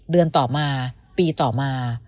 เดือนต่อมาปีต่อมา